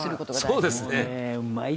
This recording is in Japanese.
「そうですね」